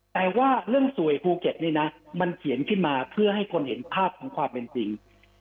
แต่ว่าเรื่องสวยภูเก็ตนี่นะมันเขียนขึ้นมาเพื่อให้คนเห็นภาพของความเป็นจริง